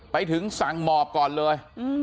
ไปถึงสั่งหมอบก่อนเลย